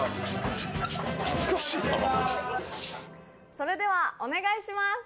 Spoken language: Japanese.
それではお願いします。